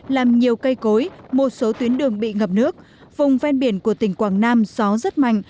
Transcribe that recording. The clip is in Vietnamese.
làm nhiều cây cối một số tuyến đường bị ngập nước vùng ven biển của tỉnh quảng nam gió rất mạnh